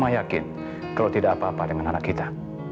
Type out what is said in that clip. mama yakin kau tidak apa apa dengan anak kita